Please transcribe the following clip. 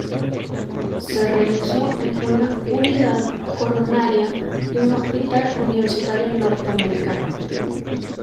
Se realizó en una unidad coronaria de un hospital universitario norteamericano.